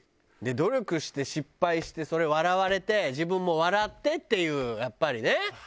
努力して失敗してそれを笑われて自分も笑ってっていうやっぱりね。